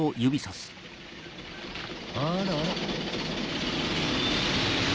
あらあら。